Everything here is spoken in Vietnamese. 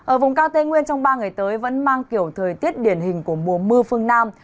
ở vùng cao tây nguyên trong ba ngày tới vẫn mang kiểu thời tiết điển hình của mùa mưa phương nam